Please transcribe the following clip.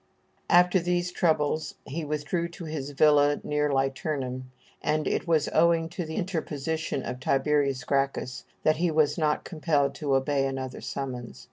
After these troubles he withdrew to his villa near Liternum, and it was owing to the interposition of Tib. Gracchus that he was not compelled to obey another summons.